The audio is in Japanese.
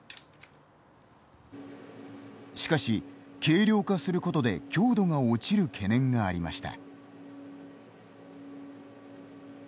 しかし軽量化することで強度が落ちる懸念がありました。